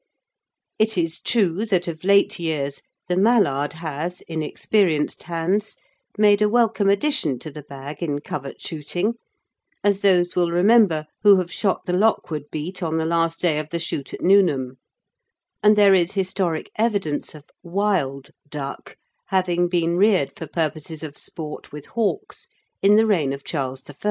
It is true that, of late years, the mallard has, in experienced hands, made a welcome addition to the bag in covert shooting, as those will remember who have shot the Lockwood Beat on the last day of the shoot at Nuneham; and there is historic evidence of "wild" duck having been reared for purposes of sport with hawks in the reign of Charles I.